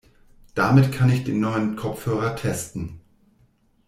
Damit kann ich den neuen Kopfhörer testen.